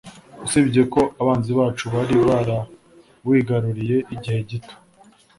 usibye ko abanzi bacu bari barawigaruriye igihe gito